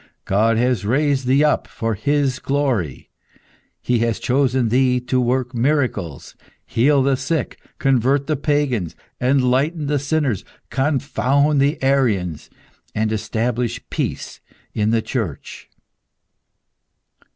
God has raised thee up for His glory. He has chosen thee to work miracles, heal the sick, convert the Pagans, enlighten sinners, confound the Arians, and establish peace in the Church."